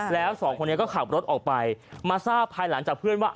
แล้วสองคนนี้ก็ขับรถออกไปมาทราบภายหลังจากเพื่อนว่า